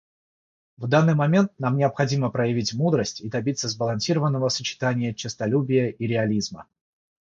В данный момент нам необходимо проявить мудрость и добиться сбалансированного сочетания честолюбия и реализма.